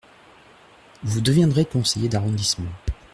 Vous deviendrez conseiller d’arrondissement.